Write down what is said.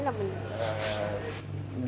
mình thấy là mình